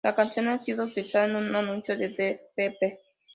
La canción ha sido utilizada en un anuncio de Dr. Pepper.